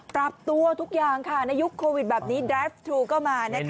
ปรับตัวทุกอย่างค่ะในยุคโควิดแบบนี้ดราฟท์ทูลเข้ามานะครับ